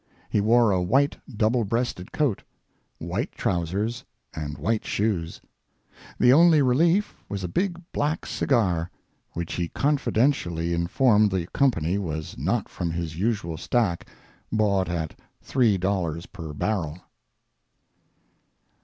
He wore a white double breasted coat, white trousers, and white shoes. The only relief was a big black cigar, which he confidentially informed the company was not from his usual stack bought at $3 per barrel.